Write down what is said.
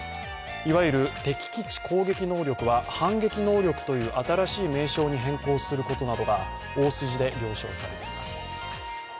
いわゆる敵基地攻撃能力は反撃能力という新しい名称に変更することなどが大筋で了承されています。